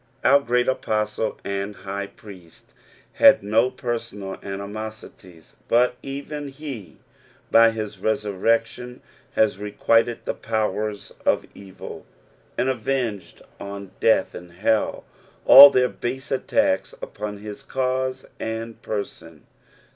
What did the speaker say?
Our great Apostle and High Priest had no per eonai animosities, bnt even he by his resurrection has requited the powers of evil, and avenged on death and hell all tlieir base attacics upon liis cause and person.